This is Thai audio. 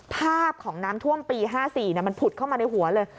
ภาพของน้ำท่วมปี๕๔มันผุดเข้ามาในหัวเลย